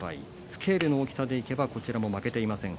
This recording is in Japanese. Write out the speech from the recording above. スケールの大きさでいけばこちらも負けていません。